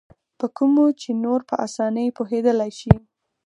په کومو چې نور په اسانۍ پوهېدلای شي.